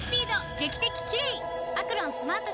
劇的キレイ！